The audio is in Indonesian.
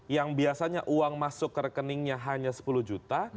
yang biasanya uang masuk ke rekeningnya hanya sepuluh juta